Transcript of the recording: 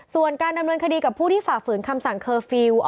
ส่วนการดำเนินคดีกับผู้ที่ฝ่าฝืนคำสั่งเคอร์ฟิลล์